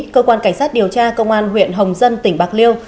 cơ quan cảnh sát điều tra công an huyện hồng dân tỉnh bạc liêu